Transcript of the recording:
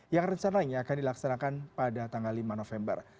yang rencananya akan dilaksanakan pada tanggal lima november